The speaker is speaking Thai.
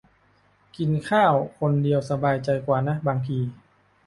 กินข้าวคนเดียวสบายใจกว่านะ บางที